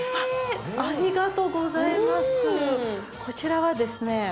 こちらはですね